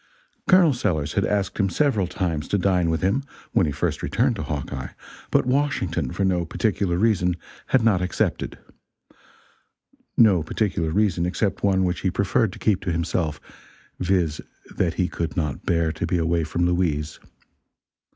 Col. Sellers had asked him several times, to dine with him, when he first returned to Hawkeye, but Washington, for no particular reason, had not accepted. No particular reason except one which he preferred to keep to himself viz. that he could not bear to be away from Louise.